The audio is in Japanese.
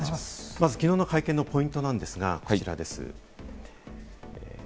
まず、きのうの会見のポイントがこちらです。